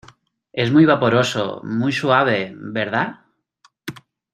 es muy vaporoso, muy suave ,¿ verdad?